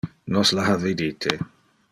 Nos la ha vidite.